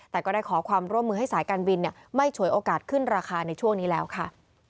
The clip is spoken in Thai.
แต่ก็ได้ขอความร่วมมือให้สายการบินไม่ฉวยโอกาสขึ้นราคาในช่วงนี้แล้วค่ะ